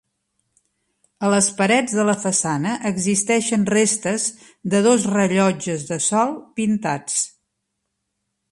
A les parets de la façana existeixen restes de dos rellotges de sol pintats.